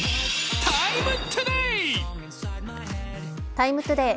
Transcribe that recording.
「ＴＩＭＥ，ＴＯＤＡＹ」